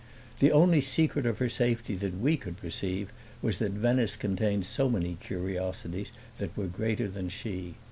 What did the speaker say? The only secret of her safety that we could perceive was that Venice contained so many curiosities that were greater than she.